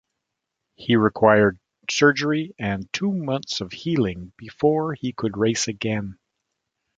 He required surgery and two months of healing before he could race again.